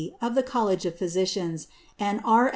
of the College of Physicians, and R.